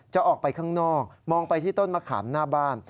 จะออกไปข้างนอกมองไปที่ต้นมะขามหน้าบ้าน